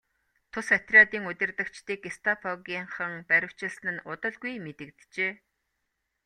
Тус отрядын удирдагчдыг гестапогийнхан баривчилсан нь удалгүй мэдэгджээ.